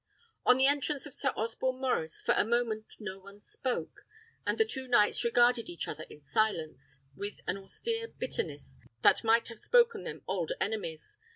On the entrance of Sir Osborne Maurice, for a moment no one spoke, and the two knights regarded each other in silence, with an austere bitterness that might have spoken them old enemies.